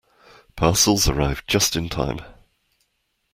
Parcels arrive just in time.